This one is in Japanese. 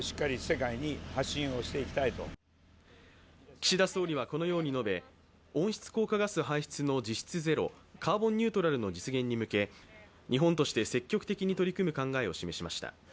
岸田総理はこのように述べ、温室効果ガス排出の実質ゼロカーボンニュートラルの実現に向け、日本として積極的に取り組む考えを示しました。